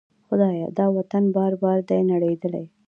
خدایه! دا وطن بار بار دی نړیدلی